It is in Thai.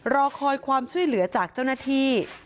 รอคอยความช่วยเหลือจากเจ้าหน้าที่